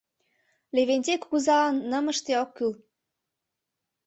Левентей кугызалан нымыште ок кӱл.